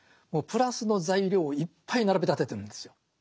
もうプラスの材料をいっぱい並べ立ててるんですよ。